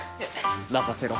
まかせろ！